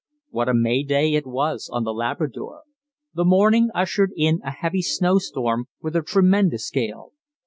What a May Day it was on The Labrador! The morning ushered in a heavy snow storm, with a tremendous gale.